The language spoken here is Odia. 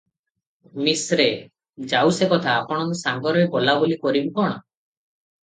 ମିଶ୍ରେ- ଯାଉ ସେ କଥା, ଆପଣଙ୍କ ସାଙ୍ଗରେ ବୋଲାବୋଲି କରିବି କଣ?